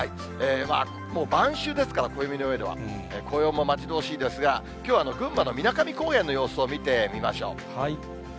もう晩秋ですから、暦の上では、紅葉も待ち遠しいですが、きょうは群馬のみなかみ高原の様子を見てみましょう。